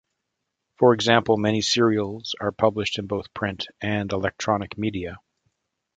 For example, many serials are published both in print and electronic media.